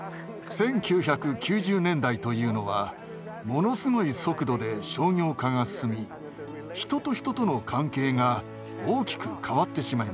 １９９０年代というのはものすごい速度で商業化が進み人と人との関係が大きく変わってしまいました。